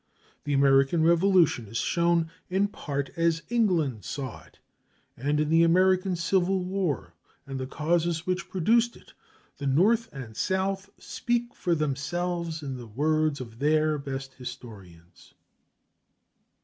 The American Revolution is shown in part as England saw it; and in the American Civil War, and the causes which produced it, the North and the South speak for themselves in the words of their best historians.